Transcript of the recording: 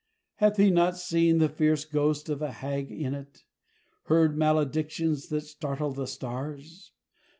Hath he not seen the fierce ghost of a hag in it? Heard maledictions that startle the stars?